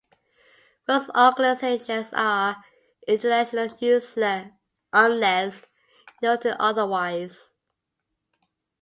Most organizations are international unless noted otherwise.